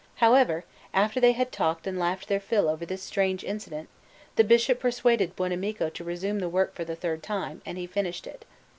However, after they had talked and laughed their fill over this strange incident, the Bishop persuaded Buonamico to resume the work for the third time, and he finished it.